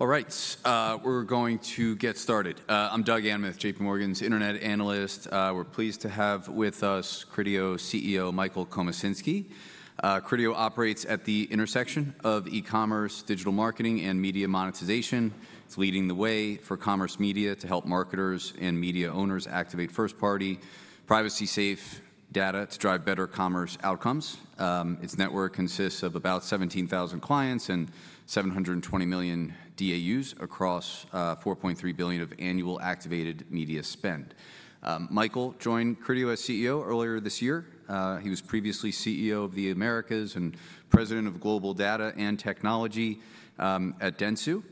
Smart people. All right. We're going to get started. I'm Doug Anmuth, JPMorgan's Internet Analyst. We're pleased to have with us Criteo CEO Michael Komasinski. Criteo operates at the intersection of e-commerce, digital marketing, and media monetization. It's leading the way for commerce media to help marketers and media owners activate first-party, privacy-safe data to drive better commerce outcomes. Its network consists of about 17,000 clients and 720 million DAUs across $4.3 billion of annual activated media spend. Michael joined Criteo as CEO earlier this year. He was previously CEO of the Americas and President of Global Data and Technology at Dentsu.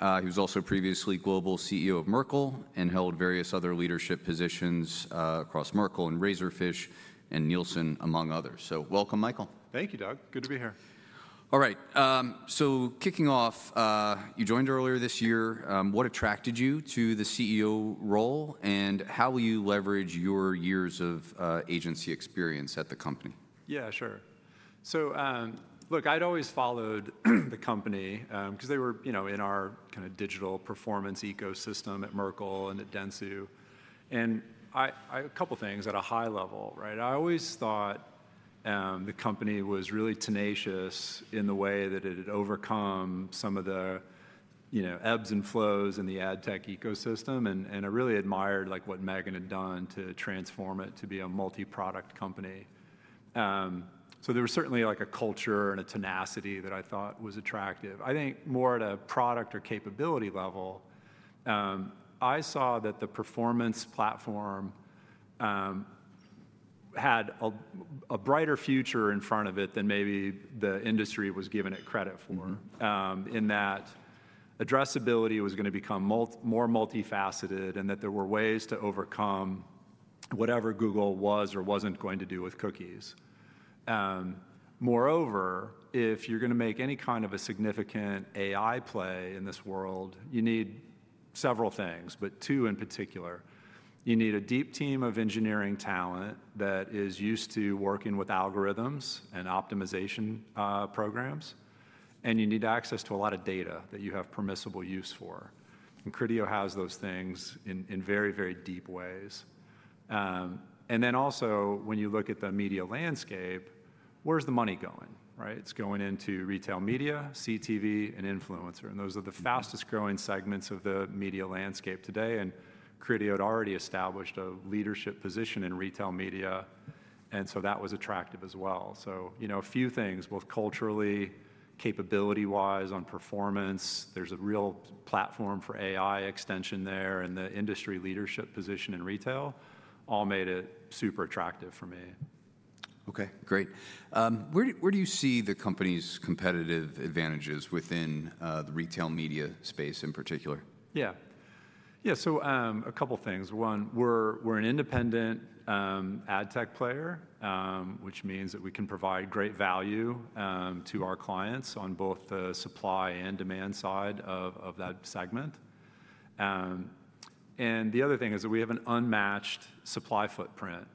He was also previously Global CEO of Merkle and held various other leadership positions across Merkle and Razorfish and Nielsen, among others. So welcome, Michael. Thank you, Doug. Good to be here. All right. Kicking off, you joined earlier this year. What attracted you to the CEO role? How will you leverage your years of agency experience at the company? Yeah, sure. Look, I'd always followed the company because they were in our kind of digital performance ecosystem at Merkle and at Dentsu. A couple of things at a high level, right? I always thought the company was really tenacious in the way that it had overcome some of the ebbs and flows in the ad tech ecosystem. I really admired what Megan had done to transform it to be a multi-product company. There was certainly a culture and a tenacity that I thought was attractive. I think more at a product or capability level, I saw that the performance platform had a brighter future in front of it than maybe the industry was giving it credit for, in that addressability was going to become more multifaceted and that there were ways to overcome whatever Google was or was not going to do with cookies. Moreover, if you're going to make any kind of a significant AI play in this world, you need several things, but two in particular. You need a deep team of engineering talent that is used to working with algorithms and optimization programs. You need access to a lot of data that you have permissible use for. Criteo has those things in very, very deep ways. Also, when you look at the media landscape, where's the money going, right? It's going into retail media, CTV, and influencer. Those are the fastest growing segments of the media landscape today. Criteo had already established a leadership position in retail media. That was attractive as well. A few things, both culturally, capability-wise on performance, there's a real platform for AI extension there, and the industry leadership position in retail all made it super attractive for me. OK, great. Where do you see the company's competitive advantages within the retail media space in particular? Yeah. Yeah, so a couple of things. One, we're an independent ad tech player, which means that we can provide great value to our clients on both the supply and demand side of that segment. The other thing is that we have an unmatched supply footprint.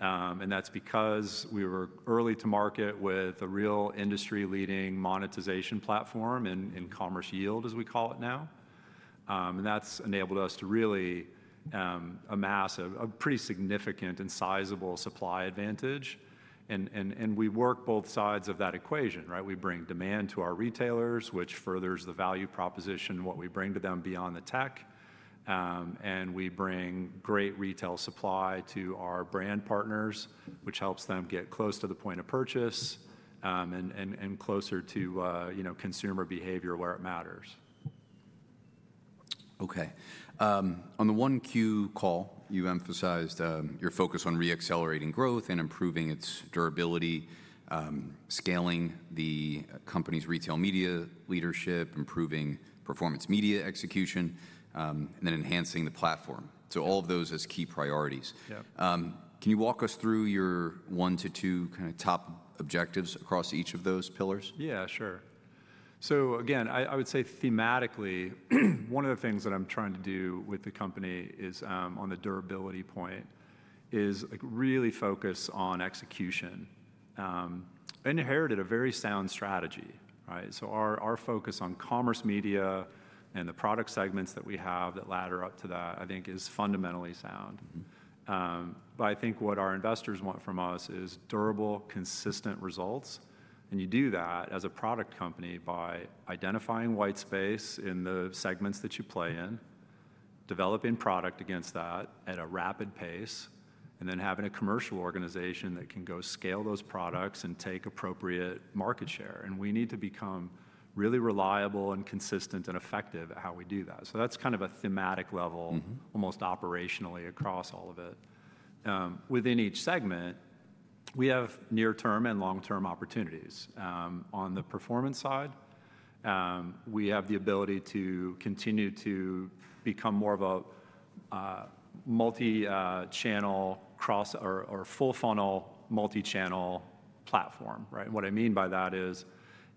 That is because we were early to market with a real industry-leading monetization platform in Commerce Yield, as we call it now. That has enabled us to really amass a pretty significant and sizable supply advantage. We work both sides of that equation, right? We bring demand to our retailers, which furthers the value proposition, what we bring to them beyond the tech. We bring great retail supply to our brand partners, which helps them get close to the point of purchase and closer to consumer behavior where it matters. OK. On the 1Q call, you emphasized your focus on re-accelerating growth and improving its durability, scaling the company's retail media leadership, improving performance media execution, and then enhancing the platform. All of those as key priorities. Can you walk us through your one to two kind of top objectives across each of those pillars? Yeah, sure. Again, I would say thematically, one of the things that I'm trying to do with the company is on the durability point, is really focus on execution. I inherited a very sound strategy, right? Our focus on commerce media and the product segments that we have that ladder up to that, I think, is fundamentally sound. What our investors want from us is durable, consistent results. You do that as a product company by identifying white space in the segments that you play in, developing product against that at a rapid pace, and then having a commercial organization that can go scale those products and take appropriate market share. We need to become really reliable and consistent and effective at how we do that. That's kind of a thematic level, almost operationally across all of it. Within each segment, we have near-term and long-term opportunities. On the performance side, we have the ability to continue to become more of a multi-channel or full-funnel multi-channel platform, right? What I mean by that is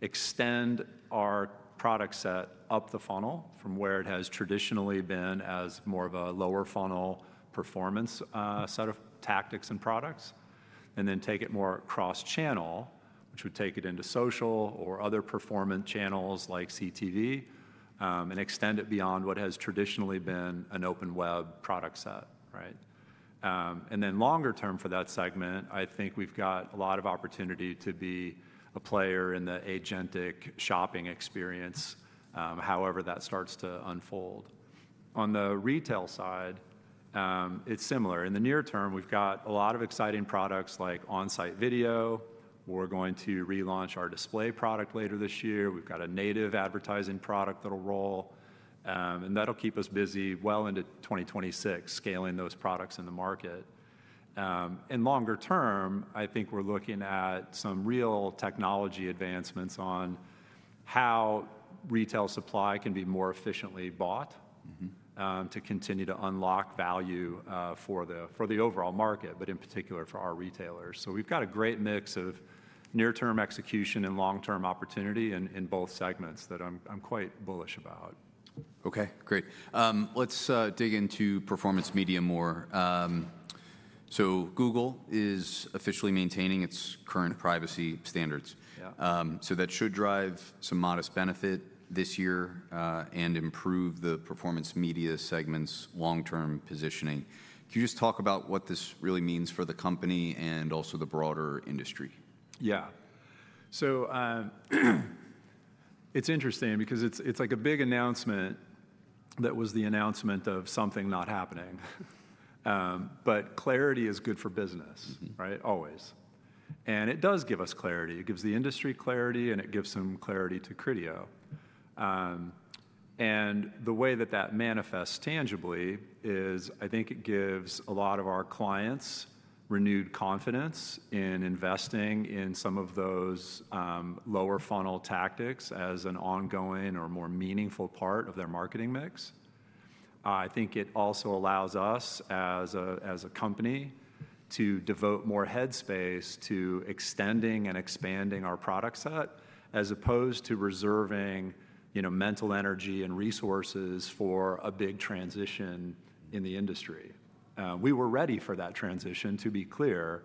extend our product set up the funnel from where it has traditionally been as more of a lower-funnel performance set of tactics and products, and then take it more cross-channel, which would take it into social or other performance channels like CTV, and extend it beyond what has traditionally been an open web product set, right? Longer term for that segment, I think we've got a lot of opportunity to be a player in the agentic shopping experience, however that starts to unfold. On the retail side, it's similar. In the near term, we've got a lot of exciting products like on-site video. We're going to relaunch our display product later this year. We've got a native advertising product that'll roll. That'll keep us busy well into 2026, scaling those products in the market. Longer term, I think we're looking at some real technology advancements on how retail supply can be more efficiently bought to continue to unlock value for the overall market, but in particular for our retailers. We've got a great mix of near-term execution and long-term opportunity in both segments that I'm quite bullish about. OK, great. Let's dig into performance media more. Google is officially maintaining its current privacy standards. That should drive some modest benefit this year and improve the performance media segment's long-term positioning. Can you just talk about what this really means for the company and also the broader industry? Yeah. It is interesting because it is like a big announcement that was the announcement of something not happening. Clarity is good for business, right? Always. It does give us clarity. It gives the industry clarity, and it gives some clarity to Criteo. The way that that manifests tangibly is I think it gives a lot of our clients renewed confidence in investing in some of those lower-funnel tactics as an ongoing or more meaningful part of their marketing mix. I think it also allows us as a company to devote more headspace to extending and expanding our product set, as opposed to reserving mental energy and resources for a big transition in the industry. We were ready for that transition, to be clear.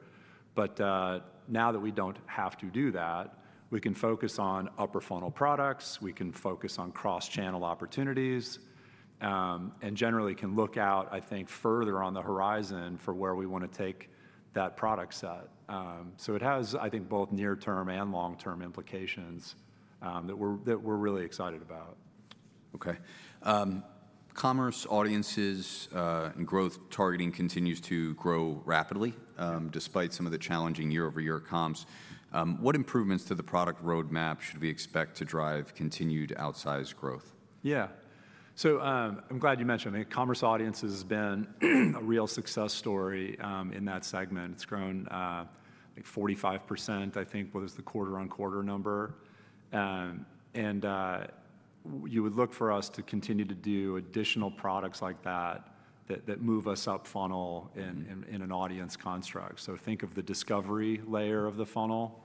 Now that we do not have to do that, we can focus on upper-funnel products. We can focus on cross-channel opportunities. Generally can look out, I think, further on the horizon for where we want to take that product set. It has, I think, both near-term and long-term implications that we're really excited about. OK. Commerce Audiences and growth targeting continues to grow rapidly, despite some of the challenging YoY comps. What improvements to the product roadmap should we expect to drive continued outsized growth? Yeah. So I'm glad you mentioned it. Commerce Audiences have been a real success story in that segment. It's grown 45%, I think, was the QoQ number. You would look for us to continue to do additional products like that that move us up funnel in an audience construct. Think of the discovery layer of the funnel,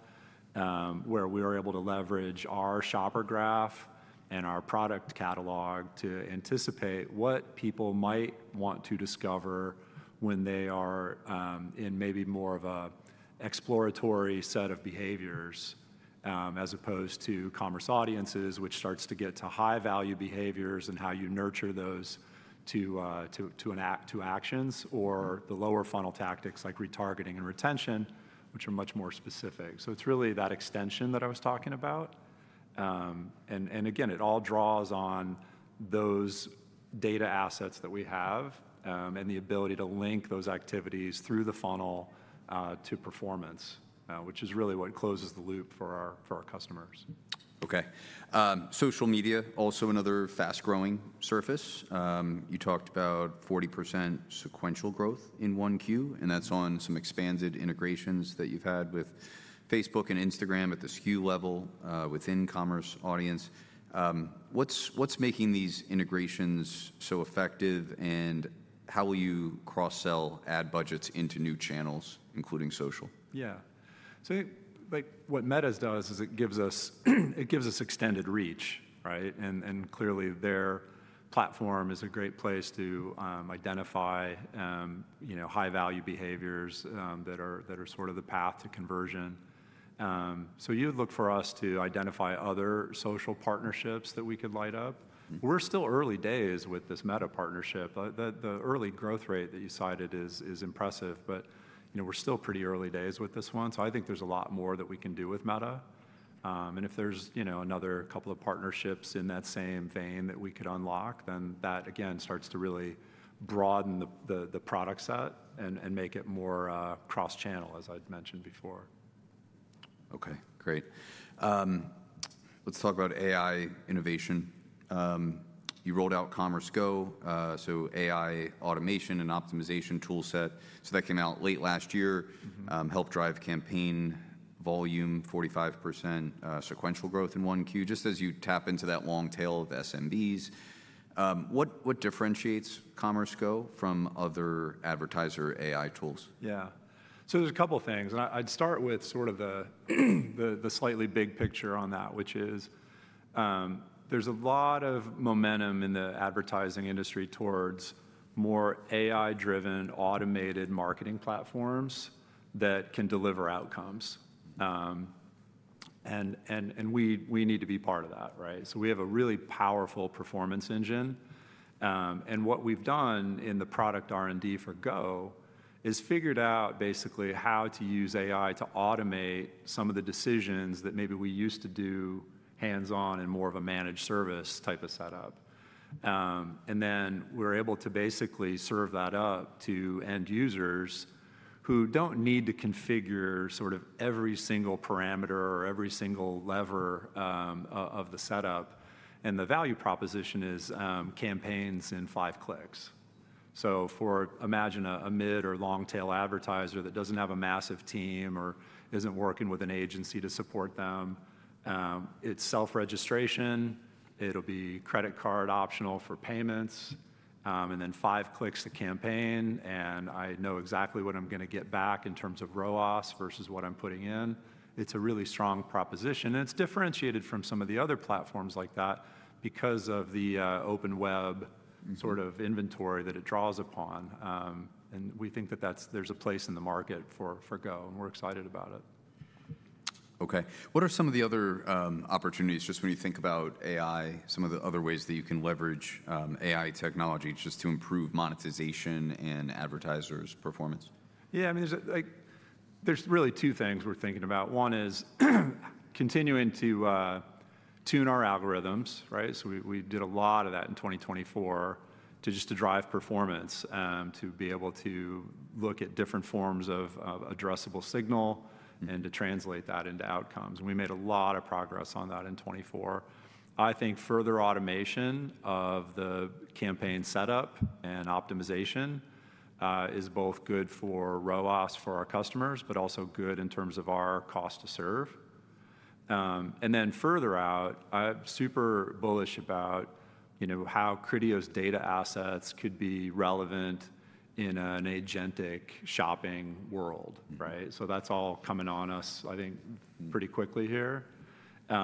where we are able to leverage our Shopper Graph and our product catalog to anticipate what people might want to discover when they are in maybe more of an exploratory set of behaviors, as opposed to Commerce Audiences, which starts to get to high-value behaviors and how you nurture those to actions, or the lower-funnel tactics like retargeting and retention, which are much more specific. It's really that extension that I was talking about. It all draws on those data assets that we have and the ability to link those activities through the funnel to performance, which is really what closes the loop for our customers. OK. Social media, also another fast-growing surface. You talked about 40% sequential growth in 1Q. That is on some expanded integrations that you've had with Facebook and Instagram at the SKU level within Commerce Audiences. What's making these integrations so effective? How will you cross-sell ad budgets into new channels, including social? Yeah. What Meta does is it gives us extended reach, right? Clearly, their platform is a great place to identify high-value behaviors that are sort of the path to conversion. You would look for us to identify other social partnerships that we could light up. We're still early days with this Meta partnership. The early growth rate that you cited is impressive. We're still pretty early days with this one. I think there is a lot more that we can do with Meta. If there is another couple of partnerships in that same vein that we could unlock, that again starts to really broaden the product set and make it more cross-channel, as I mentioned before. OK, great. Let's talk about AI innovation. You rolled out Commerce Go, so AI automation and optimization tool set. That came out late last year, helped drive campaign volume, 45% sequential growth in 1Q, just as you tap into that long tail of SMBs. What differentiates Commerce Go from other advertiser AI tools? Yeah. There are a couple of things. I'd start with sort of the slightly big picture on that, which is there's a lot of momentum in the advertising industry towards more AI-driven, automated marketing platforms that can deliver outcomes. We need to be part of that, right? We have a really powerful performance engine. What we've done in the product R&D for Go is figured out basically how to use AI to automate some of the decisions that maybe we used to do hands-on and more of a managed service type of setup. We're able to basically serve that up to end users who don't need to configure every single parameter or every single lever of the setup. The value proposition is campaigns in five clicks. For, imagine, a mid or long-tail advertiser that doesn't have a massive team or isn't working with an agency to support them, it's self-registration. It'll be credit card optional for payments. Then five clicks to campaign. I know exactly what I'm going to get back in terms of ROAS versus what I'm putting in. It's a really strong proposition. It's differentiated from some of the other platforms like that because of the open web sort of inventory that it draws upon. We think that there's a place in the market for Go. We're excited about it. OK. What are some of the other opportunities, just when you think about AI, some of the other ways that you can leverage AI technology just to improve monetization and advertisers' performance? Yeah. I mean, there's really two things we're thinking about. One is continuing to tune our algorithms, right? So we did a lot of that in 2024 to just drive performance, to be able to look at different forms of addressable signal and to translate that into outcomes. And we made a lot of progress on that in 2024. I think further automation of the campaign setup and optimization is both good for ROAS for our customers, but also good in terms of our cost to serve. Then further out, I'm super bullish about how Criteo's data assets could be relevant in an agentic shopping world, right? That is all coming on us, I think, pretty quickly here. We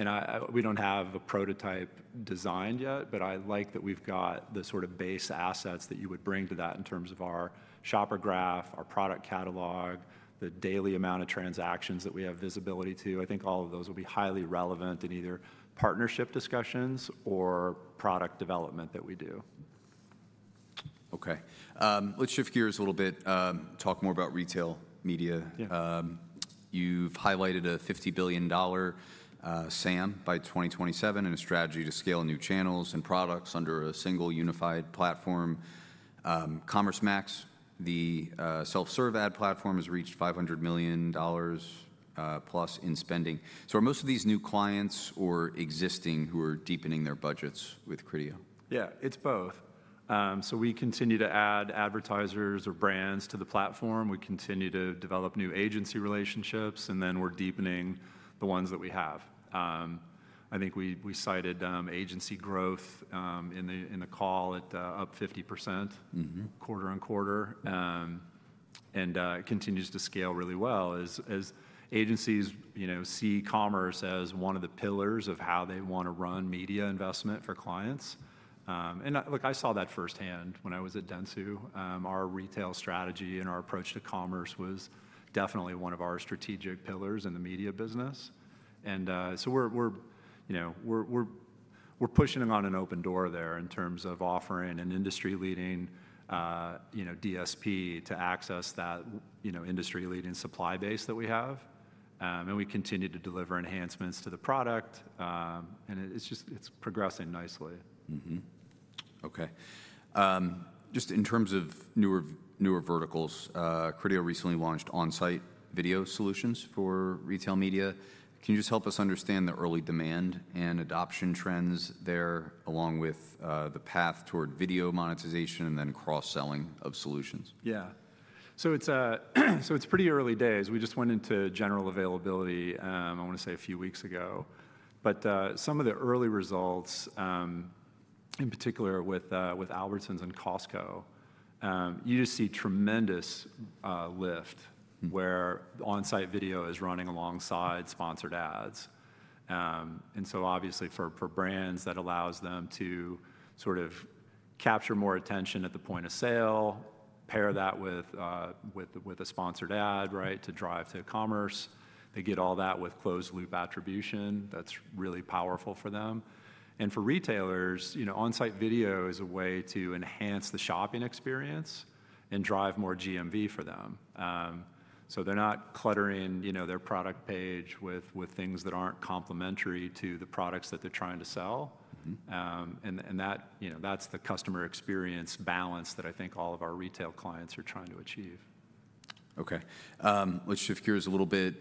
do not have a prototype designed yet. I like that we've got the sort of base assets that you would bring to that in terms of our Shopper Graph, our product catalog, the daily amount of transactions that we have visibility to. I think all of those will be highly relevant in either partnership discussions or product development that we do. OK. Let's shift gears a little bit, talk more about retail media. You've highlighted a $50 billion SAM by 2027 and a strategy to scale new channels and products under a single unified platform. Commerce Max, the self-serve ad platform, has reached $500 million+ in spending. Are most of these new clients or existing who are deepening their budgets with Criteo? Yeah, it's both. We continue to add advertisers or brands to the platform. We continue to develop new agency relationships. Then we're deepening the ones that we have. I think we cited agency growth in the call at up 50% QoQ. It continues to scale really well as agencies see commerce as one of the pillars of how they want to run media investment for clients. Look, I saw that firsthand when I was at Dentsu. Our retail strategy and our approach to commerce was definitely one of our strategic pillars in the media business. We're pushing on an open door there in terms of offering an industry-leading DSP to access that industry-leading supply base that we have. We continue to deliver enhancements to the product. It's progressing nicely. OK. Just in terms of newer verticals, Criteo recently launched on-site video solutions for retail media. Can you just help us understand the early demand and adoption trends there, along with the path toward video monetization and then cross-selling of solutions? Yeah. So it's pretty early days. We just went into general availability, I want to say, a few weeks ago. Some of the early results, in particular with Albertsons and Costco, you just see tremendous lift where on-site video is running alongside sponsored ads. Obviously, for brands, that allows them to sort of capture more attention at the point of sale, pair that with a sponsored ad, right, to drive to commerce. They get all that with closed-loop attribution. That's really powerful for them. For retailers, on-site video is a way to enhance the shopping experience and drive more GMV for them. They're not cluttering their product page with things that aren't complementary to the products that they're trying to sell. That's the customer experience balance that I think all of our retail clients are trying to achieve. OK. Let's shift gears a little bit.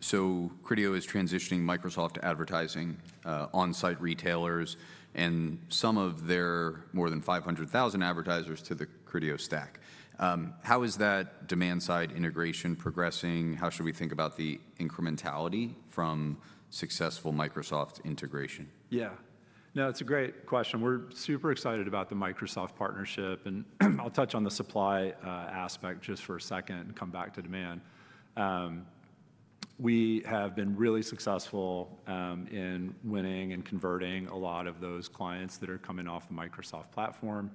Criteo is transitioning Microsoft advertising on-site retailers and some of their more than 500,000 advertisers to the Criteo stack. How is that demand-side integration progressing? How should we think about the incrementality from successful Microsoft integration? Yeah. No, it's a great question. We're super excited about the Microsoft partnership. I'll touch on the supply aspect just for a second and come back to demand. We have been really successful in winning and converting a lot of those clients that are coming off the Microsoft platform.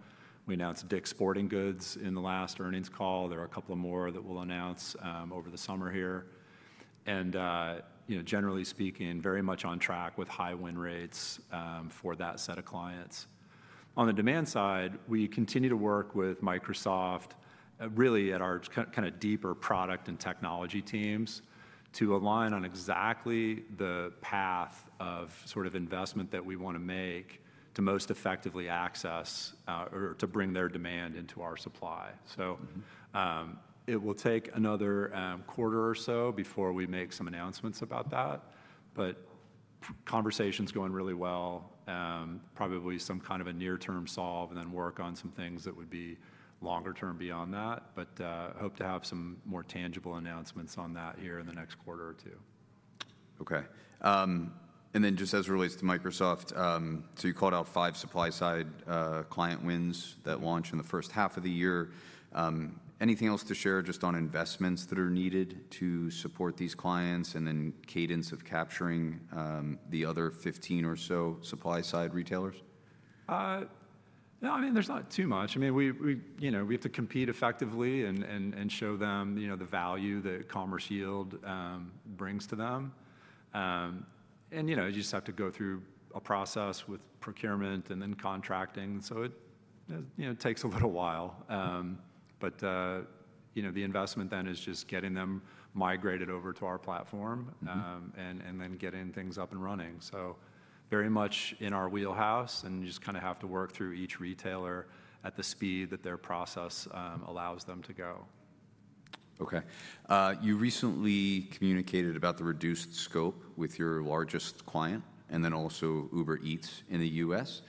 We announced DICK's Sporting Goods in the last earnings call. There are a couple more that we'll announce over the summer here. Generally speaking, very much on track with high win rates for that set of clients. On the demand side, we continue to work with Microsoft, really at our kind of deeper product and technology teams, to align on exactly the path of sort of investment that we want to make to most effectively access or to bring their demand into our supply. It will take another quarter or so before we make some announcements about that. Conversation's going really well. Probably some kind of a near-term solve and then work on some things that would be longer-term beyond that. Hope to have some more tangible announcements on that here in the next quarter or two. OK. Just as it relates to Microsoft, you called out five supply-side client wins that launch in the first half of the year. Anything else to share just on investments that are needed to support these clients and then cadence of capturing the other 15 or so supply-side retailers? No. I mean, there's not too much. I mean, we have to compete effectively and show them the value that Commerce Yield brings to them. You just have to go through a process with procurement and then contracting. It takes a little while. The investment then is just getting them migrated over to our platform and then getting things up and running. Very much in our wheelhouse. You just kind of have to work through each retailer at the speed that their process allows them to go. OK. You recently communicated about the reduced scope with your largest client and then also Uber Eats in the U.S.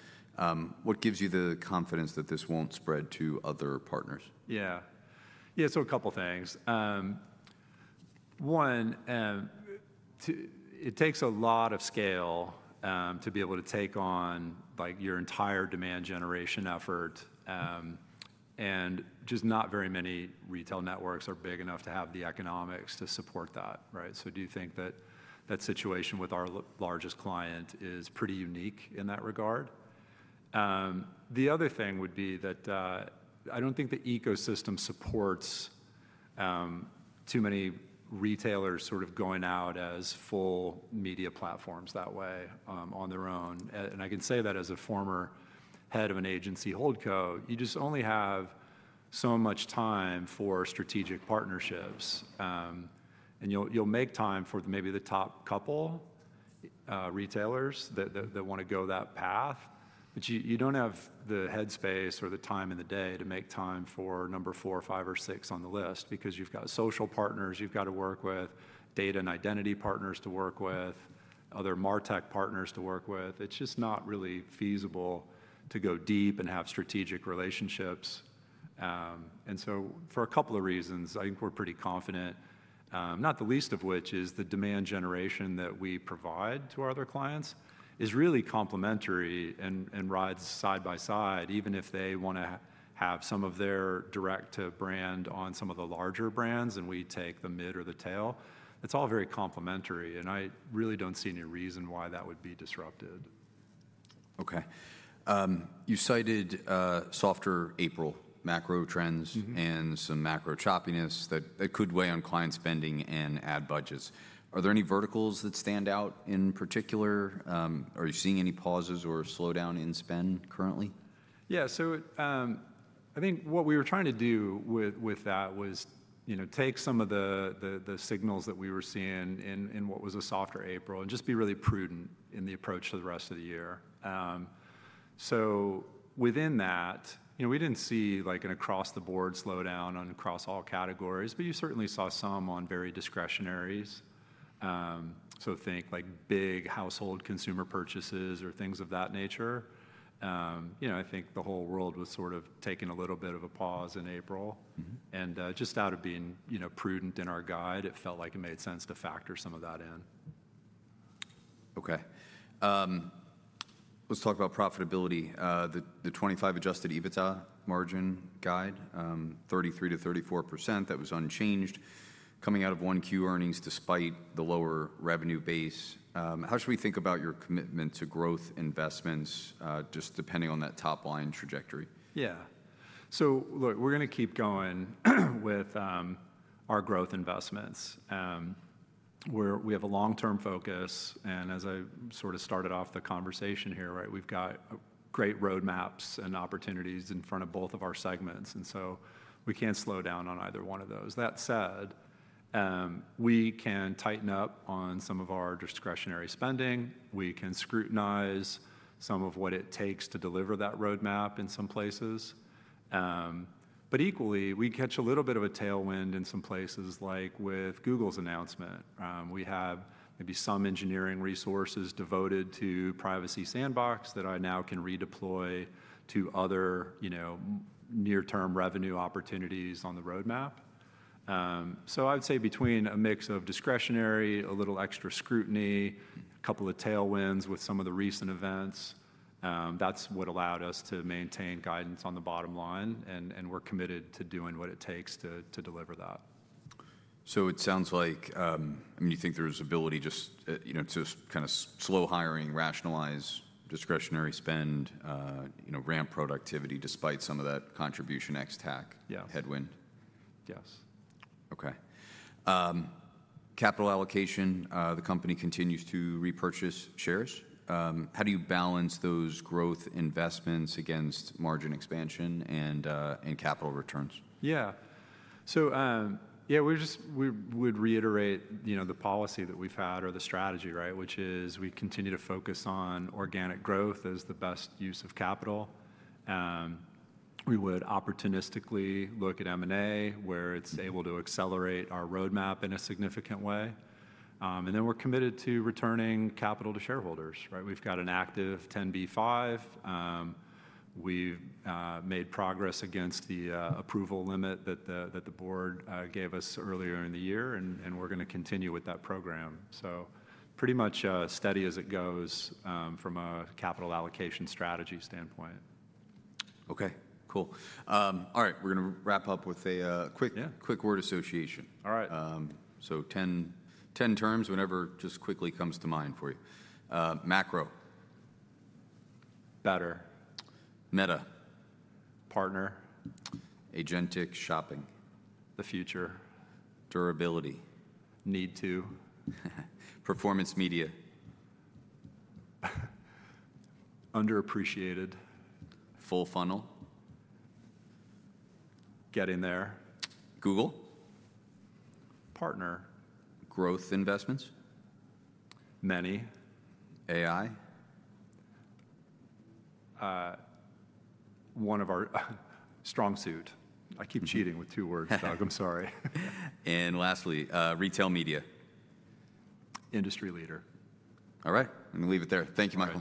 What gives you the confidence that this won't spread to other partners? Yeah. Yeah, so a couple of things. One, it takes a lot of scale to be able to take on your entire demand generation effort. Just not very many retail networks are big enough to have the economics to support that, right? I do think that that situation with our largest client is pretty unique in that regard. The other thing would be that I do not think the ecosystem supports too many retailers sort of going out as full media platforms that way on their own. I can say that as a former head of an agency, Holdco, you just only have so much time for strategic partnerships. You will make time for maybe the top couple retailers that want to go that path. You do not have the headspace or the time in the day to make time for number four, five, or six on the list because you have social partners you have to work with, data and identity partners to work with, other MarTech partners to work with. It is just not really feasible to go deep and have strategic relationships. For a couple of reasons, I think we are pretty confident, not the least of which is the demand generation that we provide to our other clients is really complementary and rides side by side. Even if they want to have some of their direct brand on some of the larger brands and we take the mid or the tail, it is all very complementary. I really do not see any reason why that would be disrupted. OK. You cited softer April macro trends and some macro choppiness that could weigh on client spending and ad budgets. Are there any verticals that stand out in particular? Are you seeing any pauses or slowdown in spend currently? Yeah. I think what we were trying to do with that was take some of the signals that we were seeing in what was a softer April and just be really prudent in the approach to the rest of the year. Within that, we did not see an across-the-board slowdown across all categories. You certainly saw some on very discretionaries. Think big household consumer purchases or things of that nature. I think the whole world was sort of taking a little bit of a pause in April. Just out of being prudent in our guide, it felt like it made sense to factor some of that in. OK. Let's talk about profitability. The 2025 adjusted EBITDA margin guide, 33%-34%, that was unchanged coming out of 1Q earnings despite the lower revenue base. How should we think about your commitment to growth investments just depending on that top-line trajectory? Yeah. Look, we're going to keep going with our growth investments. We have a long-term focus. As I sort of started off the conversation here, right, we've got great roadmaps and opportunities in front of both of our segments. We can't slow down on either one of those. That said, we can tighten up on some of our discretionary spending. We can scrutinize some of what it takes to deliver that roadmap in some places. Equally, we catch a little bit of a tailwind in some places, like with Google's announcement. We have maybe some engineering resources devoted to Privacy Sandbox that I now can redeploy to other near-term revenue opportunities on the roadmap. I would say between a mix of discretionary, a little extra scrutiny, a couple of tailwinds with some of the recent events, that's what allowed us to maintain guidance on the bottom line. We are committed to doing what it takes to deliver that. It sounds like, I mean, you think there's ability just to kind of slow hiring, rationalize discretionary spend, ramp productivity despite some of that contribution ex-TAC headwind? Yes. OK. Capital allocation, the company continues to repurchase shares. How do you balance those growth investments against margin expansion and capital returns? Yeah. So yeah, we would reiterate the policy that we have had or the strategy, right, which is we continue to focus on organic growth as the best use of capital. We would opportunistically look at M&A where it is able to accelerate our roadmap in a significant way. We are committed to returning capital to shareholders, right? We have got an active 10b-5. We have made progress against the approval limit that the board gave us earlier in the year. We are going to continue with that program. Pretty much steady as it goes from a capital allocation strategy standpoint. OK. Cool. All right, we're going to wrap up with a quick word association. All right. Ten terms, whatever just quickly comes to mind for you. Macro. Better. Meta. Partner. Agentic shopping. The future. Durability. Need to. Performance media. Underappreciated. Full funnel. Getting there. Google. Partner. Growth investments. Many. AI. One of our strong suit. I keep cheating with two words, Doug. I'm sorry. Lastly, retail media. Industry leader. All right. I'm going to leave it there. Thank you, Michael.